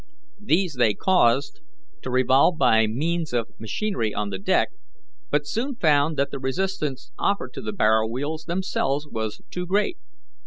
These they caused to revolve by means of machinery on the deck, but soon found that the resistance offered to the barrel wheels themselves was too great.